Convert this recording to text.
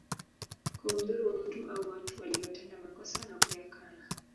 Kumdhuru mtu au watu waliotenda makosa na kuyakana